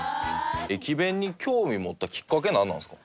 駅弁に興味を持ったきっかけはなんなんすか？